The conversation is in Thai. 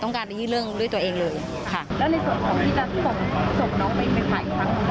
ที่เขาดูแลเรื่องคดีนี้ก่อน